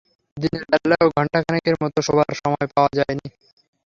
দিনের বেলায়ও ঘণ্টাখানেকের মতো শোবার সময় পাওয়া যায় নি।